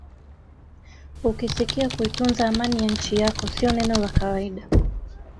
Ukisikia kuitunza amani ya nchi yako sio neno la kawaida